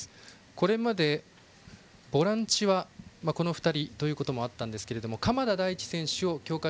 これまでボランチはこの２人ということもあったんですが鎌田大地選手を強化